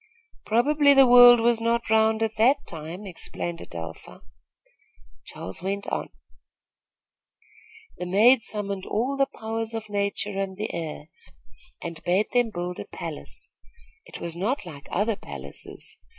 "Probably the world was not round at that time," explained Adelpha. Charles went on: "The maid summoned all the powers of nature and the air, and bade them build a palace. It was not like other palaces.